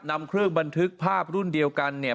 นำเครื่องบันทึกภาพรุ่นเดียวกันเนี่ย